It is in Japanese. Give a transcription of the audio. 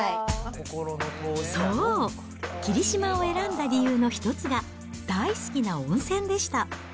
そう、霧島を選んだ理由の一つが大好きな温泉でした。